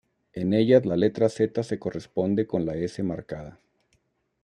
En ellas la letra Z se corresponde con la S marcada.